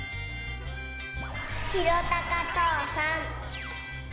ひろたかとうさん。